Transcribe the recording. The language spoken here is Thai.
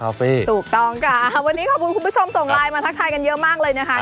วันนี้ขอบคุณคุณผู้ชมส่งไลน์มาทักทายกันเยอะมากเลยนะคะ